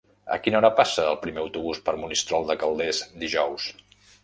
A quina hora passa el primer autobús per Monistrol de Calders dijous?